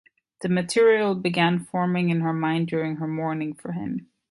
The material began forming in her mind during her mourning for him.